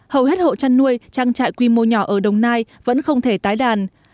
hầu hết hộ chăn nuôi trang trại quy mô nhỏ ở đồng nai vẫn không thể tái đàn